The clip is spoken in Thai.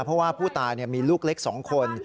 เพราะว่าผู้ตายมีลูกเล็ก๒คน